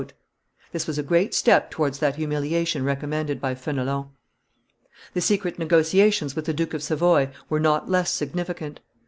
This was a great step towards that humiliation recommended by Fenelon. The secret negotiations with the Duke of Savoy were not less significant.